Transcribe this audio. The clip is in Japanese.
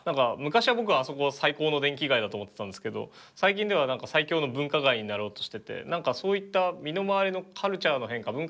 昔は僕はあそこは最高の電気街だと思ってたんですけど最近では最強の文化街になろうとしててそういった身の回りのカルチャーの変化